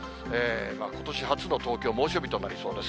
ことし初の東京、猛暑日となりそうです。